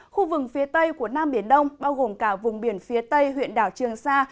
khu vực phía tây của nam biển đông bao gồm cả vùng biển phía tây huyện đảo trường sa